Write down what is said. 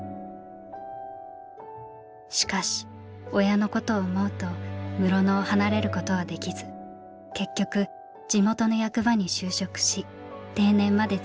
しかし親のことを思うと室野を離れることはできず結局地元の役場に就職し定年まで勤めあげました。